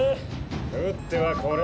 撃ってはこれま。